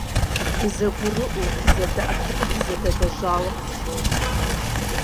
Дызэгурыӏуэу, дызэдэӏэпыкъуу дызэдэлэжьауэ къысщохъу.